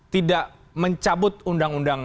tidak mencabut undang undang